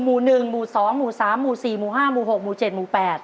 หมู่๑หมู่๒หมู่๓หมู่๔หมู่๕หมู่๖หมู่๗หมู่๘